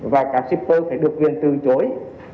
và cả shipper phải được viên từ chối